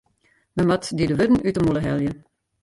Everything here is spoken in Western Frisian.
Men moat dy de wurden út 'e mûle helje.